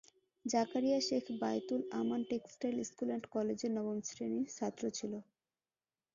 Zakaria Sheikh Baitul Aman textile school and কলেজের নবম শ্রেণির ছাত্র ছিল।